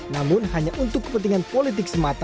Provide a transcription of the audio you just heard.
namun hanya untuk kepentingan politik semata